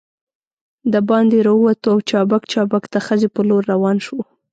دباندې راووتو او چابک چابک د خزې په لور روان شوو.